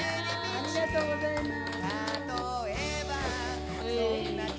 ありがとうございます。